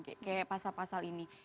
kayak pasal pasal ini